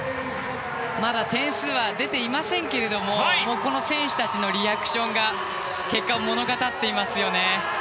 まだ点数は出ていませんがこの選手たちのリアクションが結果を物語っていますよね。